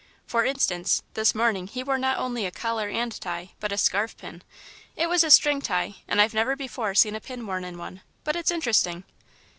For instance, this morning he wore not only a collar and tie, but a scarf pin. It was a string tie, and I've never before seen a pin worn in one, but it's interesting."